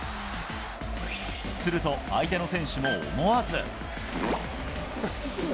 すると、相手の選手も思わず。